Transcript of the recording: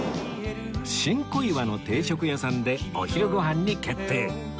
新小岩の定食屋さんでお昼ご飯に決定